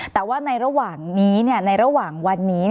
แต่ละว่าในระหว่างวันนี้